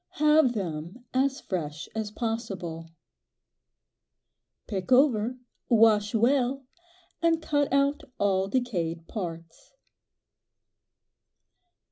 Have them as fresh as possible. Pick over, wash well, and cut out all decayed parts.